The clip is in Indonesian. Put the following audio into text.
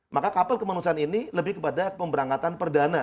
maka kapal kemanusiaan ini lebih kepada pemberangkatan perdana